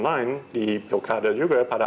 lain di pilkada juga ya pada